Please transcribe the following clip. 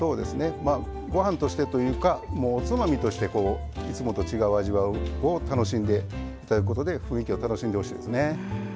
ご飯としてというかおつまみとしてこういつもと違う味わいを楽しんで頂くことで雰囲気を楽しんでほしいですね。